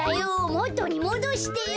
もとにもどしてよ。